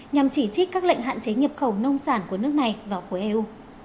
nhằm chỉ trích các lệnh hạn chế nhập khẩu nông sản của nước này vào khối eu